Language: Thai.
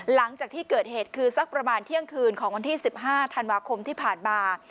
หลังจากที่เกิดเหตุคือสักประมาณเที่ยงคืนของวันที่๑๕ธันวาคมที่ผ่านมา